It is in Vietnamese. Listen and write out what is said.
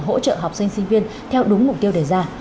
hỗ trợ học sinh sinh viên theo đúng mục tiêu đề ra